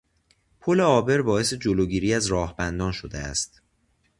پل عابر باعث جلوگیری از راهبندان شده است.